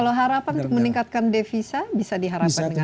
kalau harapan untuk meningkatkan devisa bisa diharapkan dengan